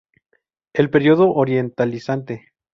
El Periodo Orientalizante.